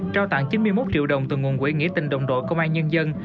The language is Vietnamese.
trao tặng chín mươi một triệu đồng từ nguồn quỹ nghĩa tình đồng đội công an nhân dân